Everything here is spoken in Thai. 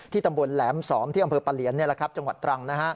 ตำบลแหลม๒ที่อำเภอปะเหลียนจังหวัดตรัง